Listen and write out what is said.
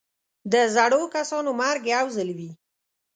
د زړور کسانو مرګ یو ځل وي.